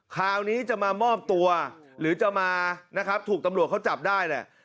คราวนี้จะมามอบตัวหรือจะมานะครับถูกตำรวจเขาจับได้แหละ